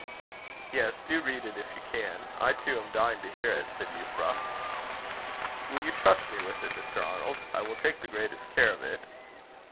"Yes, do read it, if you can. I too am dying to hear it," said Euphra. "Will you trust me with it, Mr. Arnold? I will take the greatest care of it."